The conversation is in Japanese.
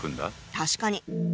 確かに！